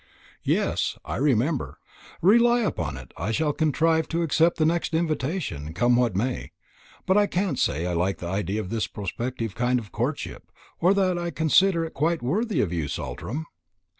"Yes, I remember. Rely upon it, I shall contrive to accept the next invitation, come what may. But I can't say I like the idea of this prospective kind of courtship, or that I consider it quite worthy of you, Saltram."